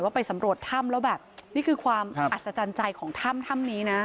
ไปสำรวจถ้ำแล้วแบบนี่คือความอัศจรรย์ใจของถ้ำถ้ำนี้นะ